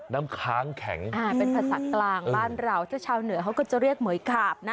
น้ำค้างแข็งอ่าเป็นภาษากลางบ้านเราถ้าชาวเหนือเขาก็จะเรียกเหมือยขาบนะ